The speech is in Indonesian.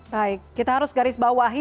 baik kita harus garis bawahi